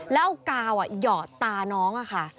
แล้วเอากาวหยอดตาน้องค่ะ